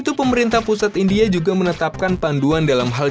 tersenyum nasionalnya harus dilakukan dengan betapa betapa mudah tersebut karena